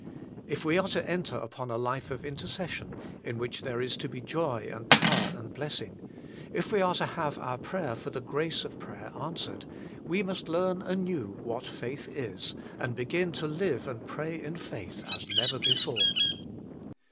If we are to enter upon a life of intercession, in which there is to be joy and power and blessing, if we are to have our prayer for the grace of prayer answered, we must learn anew what faith is, and begin to live and pray in faith as never before.